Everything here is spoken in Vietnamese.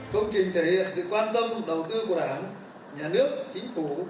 công trình thể hiện sự quan tâm đầu tư của đảng nhà nước chính phủ